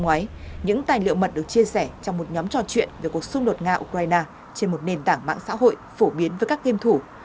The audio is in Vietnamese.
ngoài những tài liệu mật được chia sẻ trong một nhóm trò chuyện về cuộc xung đột nga ukraine trên một nền tảng mạng xã hội phổ biến với các game thủ